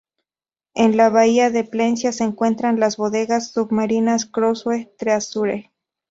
En la bahía de Plencia se encuentran las bodegas submarinas Crusoe Treasure.